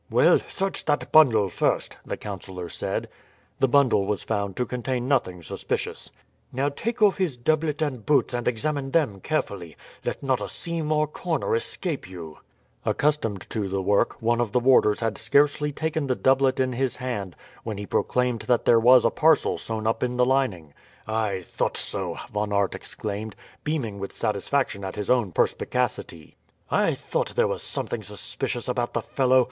"Well, search that bundle first," the councillor said. The bundle was found to contain nothing suspicious. "Now, take off his doublet and boots and examine them carefully. Let not a seam or corner escape you." Accustomed to the work, one of the warders had scarcely taken the doublet in his hand when he proclaimed that there was a parcel sewn up in the lining. "I thought so!" Von Aert exclaimed, beaming with satisfaction at his own perspicacity. "I thought there was something suspicious about the fellow.